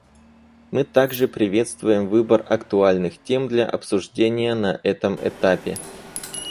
Мы также приветствуем выбор актуальных тем для обсуждения на этом этапе.